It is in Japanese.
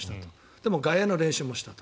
でも外野の練習もしたと。